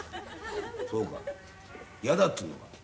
そうかヤダっつうのか。